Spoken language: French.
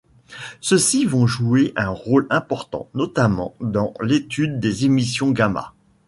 Ceux-ci vont jouer un rôle important notamment dans l'étude des émissions gamma.